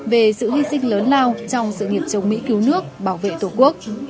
về sự hy sinh lớn lao trong sự nghiệp chống mỹ cứu nước bảo vệ tổ quốc